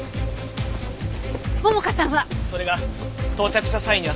桃香さんは？